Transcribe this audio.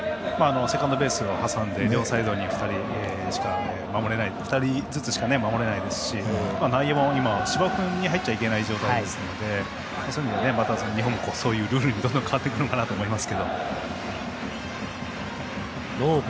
セカンドベースを挟んで両サイドに２人ずつしか守れないですし、内野も芝生に入っちゃいけない状態ですので、日本もそういうルールに変わってくるのかなと思います。